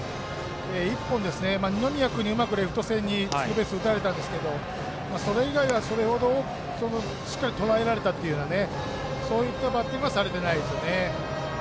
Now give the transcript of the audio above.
１本、二宮君にレフト線にツーベースを打たれたんですけどそれほどしっかりとらえられたというそういったバッティングはされてないですね。